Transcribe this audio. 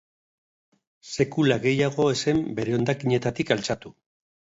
Sekula gehiago ez zen bere hondakinetatik altxatu.